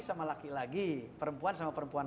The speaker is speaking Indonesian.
sama laki laki perempuan sama perempuan